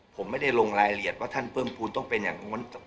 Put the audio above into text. ผมไม่ได้ลงรายละเอียดว่าท่านเพิ่มภูมิต้องเป็นอย่างนู้น